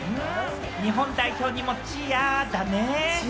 日本代表にもチアだね！